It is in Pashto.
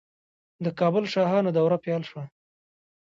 د کابل شاهانو دوره پیل شوه